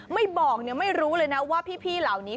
ไม่บอกไม่รู้เลยนะว่าพี่เหล่านี้